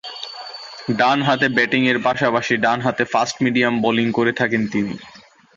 ডানহাতে ব্যাটিংয়ের পাশাপাশি ডানহাতে ফাস্ট মিডিয়াম বোলিং করে থাকেন তিনি।